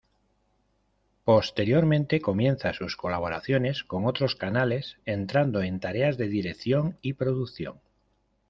Posteriormente comienza sus colaboraciones con otros canales, entrando en tareas de dirección y producción.